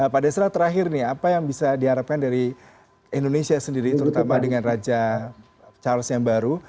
pak desra terakhir nih apa yang bisa diharapkan dari indonesia sendiri terutama dengan raja charles yang baru